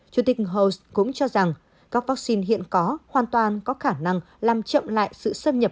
chủ tịch hồ cũng cho rằng các vaccine hiện có hoàn toàn có khả năng làm chậm lại sự xâm nhập